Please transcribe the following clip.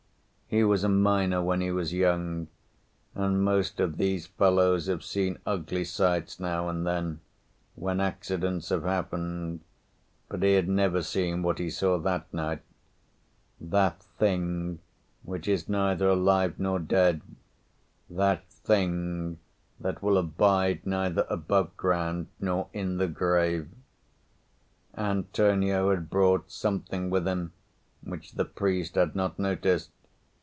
He was a miner when he was young, and most of these fellows have seen ugly sights now and then, when accidents have happened, but he had never seen what he saw that night that Thing which is neither alive nor dead, that Thing that will abide neither above ground nor in the grave. Antonio had brought something with him which the priest had not noticed.